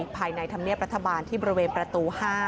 ภายในธรรมเนียบรัฐบาลที่บริเวณประตู๕